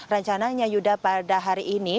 rencananya yuda pada hari ini